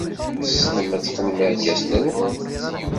Tessnem ad teqqnem irkasen-nwen?